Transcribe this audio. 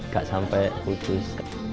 gak sampai putus